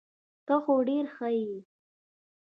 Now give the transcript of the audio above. ته خو ډير ښه يي .